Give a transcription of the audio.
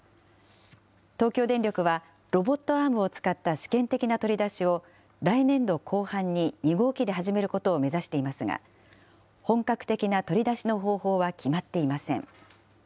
東京電力は、ロボットアームを使った試験的な取り出しを来年度後半に２号機で始めることを目指していますが、本格的な取り出しの方法は決まっていません。